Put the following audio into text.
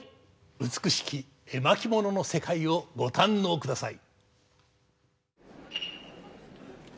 美しき絵巻物の世界をご堪能ください！